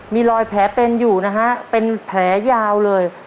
มีรอยแผลเป็นอยู่นะฮะเป็นแผลยาวเลย